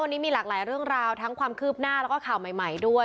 วันนี้มีหลากหลายเรื่องราวทั้งความคืบหน้าแล้วก็ข่าวใหม่ด้วย